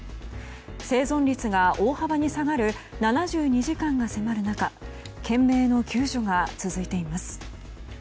生存率が大幅に下がる７２時間が迫る中懸命の救助が続いています。